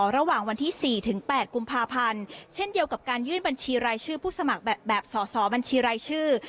ระหว่างวันที่๔๘กุมภาพันธ์เช่นเดียวกับการยื่นบัญชีรายชื่อผู้สมัครแบบสอสอบัญชีรายชื่อ